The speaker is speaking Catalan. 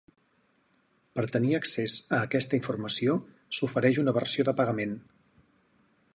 Per tenir accés a aquesta informació s'ofereix una versió de pagament.